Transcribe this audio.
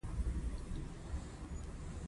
او د مينې محبت خواږۀ راګونه ئې چېړلي دي